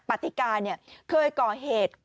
ปฏิกาเนี่ยเคยก่อเหตุ